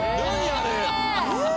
あれ！